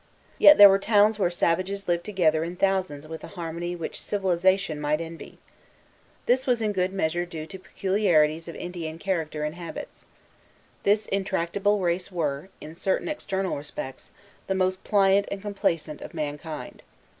Yet there were towns where savages lived together in thousands with a harmony which civilization might envy. This was in good measure due to peculiarities of Indian character and habits. This intractable race were, in certain external respects, the most pliant and complaisant of mankind.